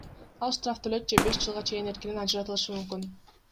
Ал штраф төлөйт же беш жылга чейин эркинен ажыратылышы мүмкүн.